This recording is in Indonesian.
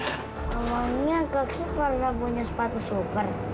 namanya kakek pernah punya sepatu super